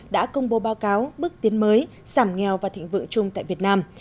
đã công bố báo cáo bước tiến mới giảm nghèo và thịnh vượng chung tại việt nam